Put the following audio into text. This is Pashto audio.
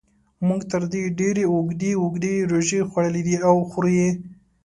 موږ تر دې ډېرې اوږدې اوږدې روژې خوړلې دي او خورو یې.